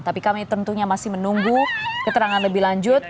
tapi kami tentunya masih menunggu keterangan lebih lanjut